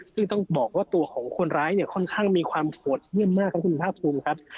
ซึ่งต้องบอกว่าตัวของคนร้ายเนี่ยค่อนข้างมีความโหดเยี่ยมมากครับคุณภาคภูมิครับ